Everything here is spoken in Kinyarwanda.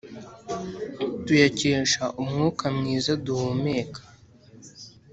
tuyakesha umwuka mwiza duhumeka